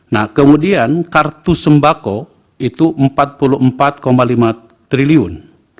nah kemudian kartu sembako itu rp empat puluh empat lima triliun